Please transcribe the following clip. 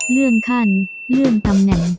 เลื่อนขั้นเลื่อนตำแหน่ง